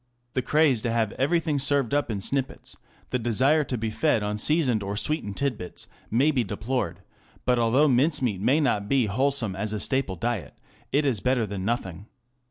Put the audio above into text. The craze to have everything served up in snippets, the desire to be fed on seasoned or sweetened tit bits, may be deplored ; but although mincemeat may not be wholesome as a staple diet, it is better than nothing.